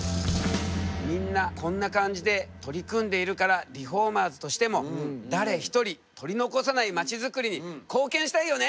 みんなこんな感じで取り組んでいるからリフォーマーズとしても誰ひとり取り残さない街づくりに貢献したいよね。